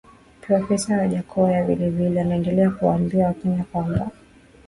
Profesa Wajackoya vile vile anaendelea kuwaambia wakenya kwamba